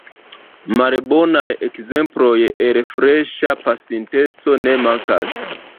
Malbonaj ekzemploj el freŝa pasinteco ne mankas.